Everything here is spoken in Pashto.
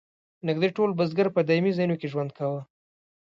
نږدې ټول بزګر په دایمي ځایونو کې ژوند کاوه.